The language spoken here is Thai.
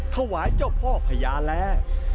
ถวายเจ้าพ่อพญาแล